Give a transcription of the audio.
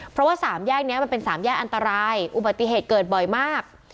เพราะว่าสามแยกนี้มันเป็นสามแยกอันตรายอุบัติเหตุเกิดบ่อยมาก